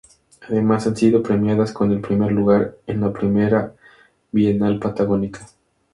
Además han sido premiadas, con el primer lugar, en la primera Bienal patagónica.